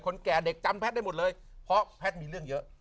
แก่เด็กจำแพทย์ได้หมดเลยเพราะแพทย์มีเรื่องเยอะ